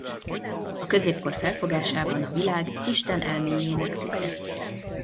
A középkor felfogásában a világ Isten elméjének tükre.